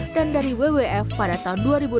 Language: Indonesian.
dan dari wwf pada tahun dua ribu enam belas